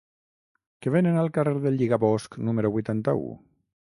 Què venen al carrer del Lligabosc número vuitanta-u?